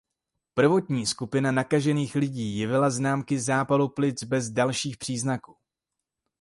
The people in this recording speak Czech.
Prvotní skupina nakažených lidí jevila známky zápalu plic bez dalších příznaků.